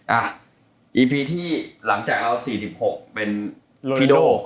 อ่ะอีพีที่หลังจากเรา๔๖เป็นพี่โด